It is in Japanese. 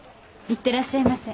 行ってらっしゃいませ。